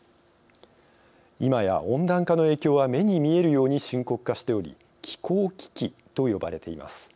今や温暖化の影響は目に見えるように深刻化しており気候危機と呼ばれています。